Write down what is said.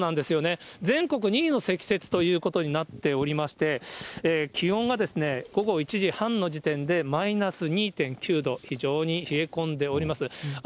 全国２位の積雪ということになっておりまして、気温が午後１時半の時点でマイナス２．９度、非常に冷え込んでおります。